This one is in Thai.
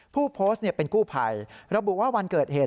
ผู้โพสต์เป็นกู้ภัยระบุว่าวันเกิดเหตุ